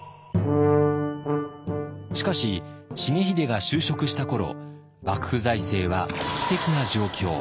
しかし重秀が就職した頃幕府財政は危機的な状況。